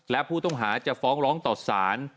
และผู้ต้องหาจะฟ้องร้องต่อสาร